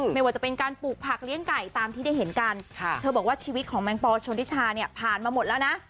ไม่ว่าจะเป็นการปลูกผักเลี้ยงไก่ตามที่ได้เห็นกันเธอบอกว่าชีวิตของแมงปอชนทิชาเนี่ยผ่านมาหมดแล้วนะ